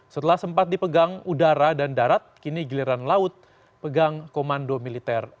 setelah sempat dipegang udara dan darat kini giliran laut pegang komando militer